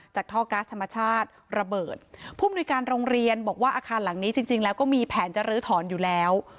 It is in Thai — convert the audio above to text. ท่อก๊าซธรรมชาติระเบิดผู้มนุยการโรงเรียนบอกว่าอาคารหลังนี้จริงจริงแล้วก็มีแผนจะลื้อถอนอยู่แล้ว